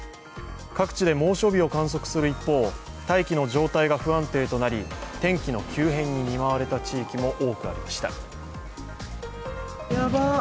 各地で猛暑日を観測する一方、大気の状態が不安定となり、天気の急変に見舞われた地域も多くありました。